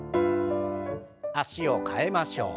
脚を替えましょう。